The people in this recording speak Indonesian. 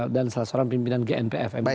dan salah seorang pimpinan gnpf mwi